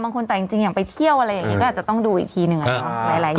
บางคนจริงอยากไปเที่ยวก็อาจจะต้องดูอีกทีหนึ่ง